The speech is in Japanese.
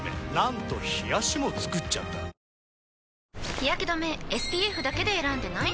日やけ止めＳＰＦだけで選んでない？